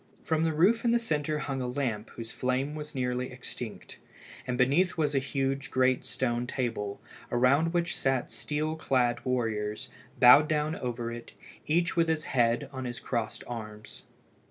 From the roof in the centre hung a lamp whose flame was nearly extinct, and beneath was a huge great stone table, around which sat steel clad warriors, bowed down over it, each with his head on his crossed arms.